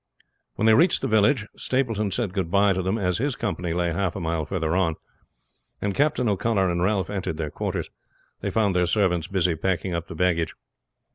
When they reached the village Stapleton said good by to them, as his company lay half a mile further on; and Captain O'Connor and Ralph entered their quarters. They found their servants busy packing up the baggage.